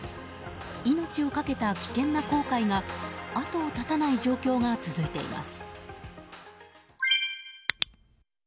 命をかけた危険な航海が後を絶たない状況が続いています。